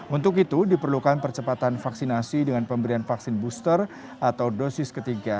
untuk itu diperlukan percepatan vaksinasi dengan pemberian vaksin booster atau dosis ketiga